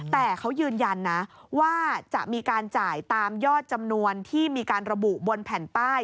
แต่เขายืนยันนะว่าจะมีการจ่ายตามยอดจำนวนที่มีการระบุบนแผ่นป้าย